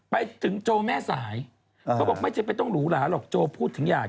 ไปถึงโจแม่สายเขาบอกไม่จำเป็นต้องหรูหลาหรอกโจพูดถึงหยาด